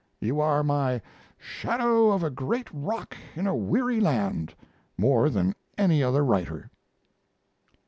You are my "shadow of a great rock in a weary land" more than any other writer.